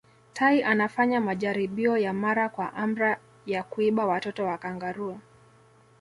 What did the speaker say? tai anafanya majaribio ya mara kwa amra ya kuiba watoto wa kangaroo